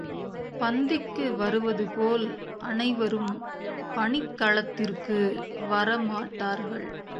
பந்திக்கு வருவது போல் அனைவரும் பணிக் களத்திற்கு வரமாட்டார்கள்.